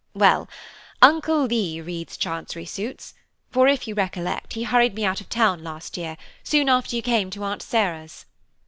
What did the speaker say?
"Well, Uncle Leigh reads Chancery suits, for, if you recollect, he hurried me out of town last year, soon after you came to Aunt Sarah's."